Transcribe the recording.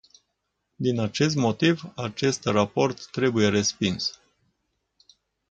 Din acest motiv, acest raport trebuie respins.